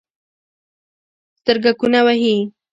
سترګکونه وهي